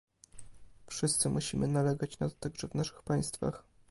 Wszyscy musimy nalegać na to także w naszych państwach